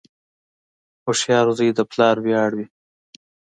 • هوښیار زوی د پلار ویاړ وي.